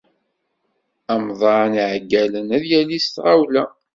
Amḍan iɛeggalen ad yali s tɣawla.